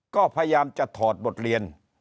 ก็พยายามจะถอดบทเรียน